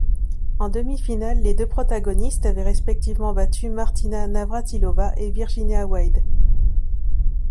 En demi-finale, les deux protagonistes avaient respectivement battu Martina Navrátilová et Virginia Wade.